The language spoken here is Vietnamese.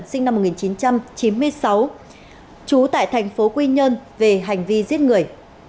sinh năm một nghìn chín trăm chín mươi sáu trú tại thành phố quy nhơn về hành vi giết người